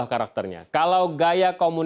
yang terakhir adalah pertanyaan dari anak muda